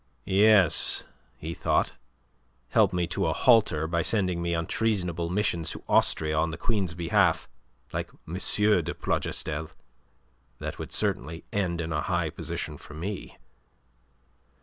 "Yes," he thought, "help me to a halter by sending me on treasonable missions to Austria on the Queen's behalf, like M. de Plougastel. That would certainly end in a high position for me."